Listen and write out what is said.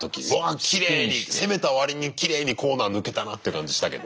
きれいに攻めたわりにきれいにコーナー抜けたなって感じしたけど。